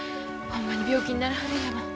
ほんまに病気にならはるんやもん。